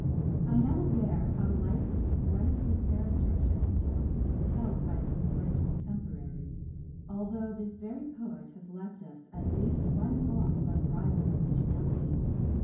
I am aware how lightly the poetical character of Shenstone is held by some great contemporaries although this very poet has left us at least one poem of unrivalled originality.